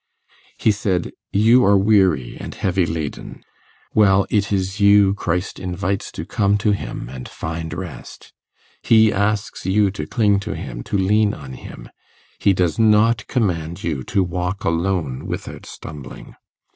He said, You are weary and heavy laden; well, it is you Christ invites to come to him and find rest. He asks you to cling to him, to lean on him; he does not command you to walk alone without stumbling.